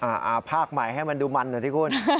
อ่าภาคใหม่ให้มันดูมันหน่อยดิคุณ